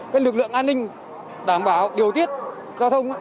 cái lực lượng an ninh đảm bảo điều tiết giao thông